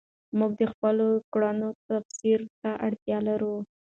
موږ د خپلو کړنو تفسیر ته اړتیا لرو.